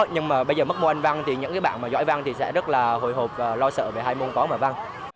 nhưng mà bây giờ mất môn anh văn thì những bạn giỏi văn sẽ rất là hồi hộp và lo sợ về hai môn tón và văn